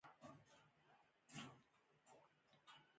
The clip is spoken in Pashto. هرات ښار څو تاریخي منارونه لري؟